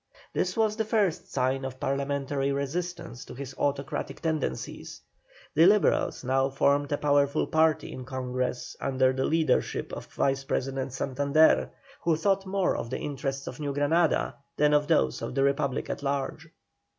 This was the first sign of Parliamentary resistance to his autocratic tendencies. The Liberals now formed a powerful party in Congress under the leadership of Vice President Santander, who thought more of the interests of New Granada than of those of the Republic at large.